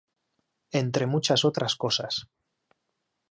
Entre muchas otras cosas.